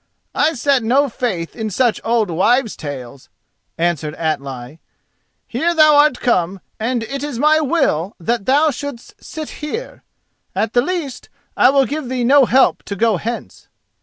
"I set no faith in such old wives' tales," answered Atli. "Here thou art come, and it is my will that thou shouldest sit here. At the least, I will give thee no help to go hence."